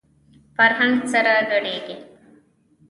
فرهنګ سره ګډېږي.